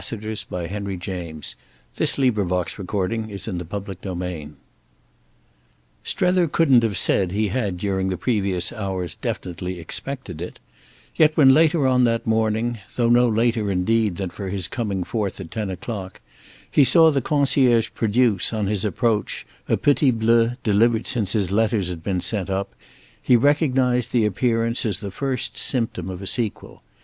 He found himself supposing innumerable and wonderful things. Book Twelfth I Strether couldn't have said he had during the previous hours definitely expected it; yet when, later on, that morning—though no later indeed than for his coming forth at ten o'clock—he saw the concierge produce, on his approach, a petit bleu delivered since his letters had been sent up, he recognised the appearance as the first symptom of a sequel.